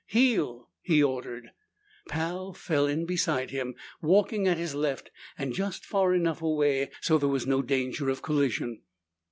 "Heel!" he ordered. Pal fell in beside him, walking at his left and just far enough away so there was no danger of collision.